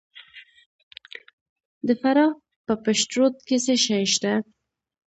د فراه په پشترود کې څه شی شته؟